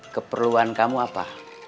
keperluan kamu apa